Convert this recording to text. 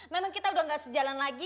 memang kita udah gak sejalan lagi